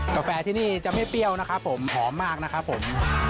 กาแฟที่นี่จะไม่เปรี้ยวนะครับผมหอมมากนะครับผม